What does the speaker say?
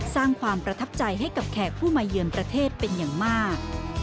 สร้างความประทับใจให้กับแขกผู้มาเยือนประเทศเป็นอย่างมาก